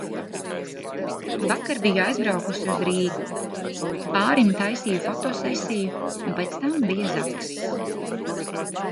Vakar biju aizbraukusi uz Rīgu. Pārim taisīju fotosesiju un pēc tam bija zakss.